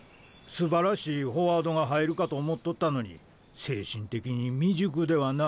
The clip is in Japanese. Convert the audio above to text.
すばらしいフォワードが入るかと思っとったのに精神的に未熟ではな」